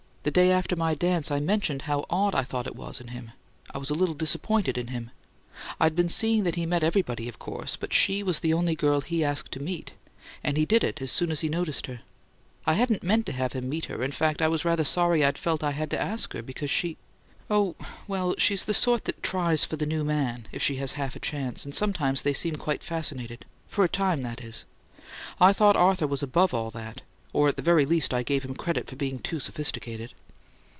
"The day after my dance I mentioned how odd I thought it was in him I was a little disappointed in him. I'd been seeing that he met everybody, of course, but she was the only girl HE asked to meet; and he did it as soon as he noticed her. I hadn't meant to have him meet her in fact, I was rather sorry I'd felt I had to ask her, because she oh, well, she's the sort that 'tries for the new man,' if she has half a chance; and sometimes they seem quite fascinated for a time, that is. I thought Arthur was above all that; or at the very least I gave him credit for being too sophisticated."